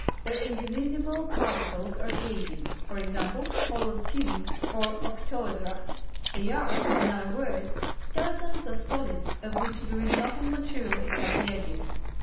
Their indivisible particles are cages; for example, hollow cubes or octohedra. (They are, in other words, skeletons of solids of which there is nothing material except the edges.)